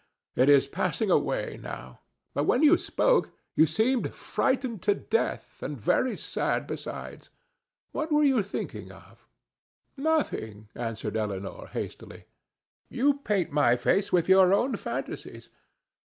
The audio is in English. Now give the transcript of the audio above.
it is passing away now; but when you spoke, you seemed frightened to death, and very sad besides. What were you thinking of?" "Nothing, nothing!" answered Elinor, hastily. "You paint my face with your own fantasies.